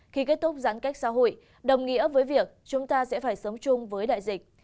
khi kết thúc giãn cách xã hội đồng nghĩa với việc chúng ta sẽ phải sống chung với đại dịch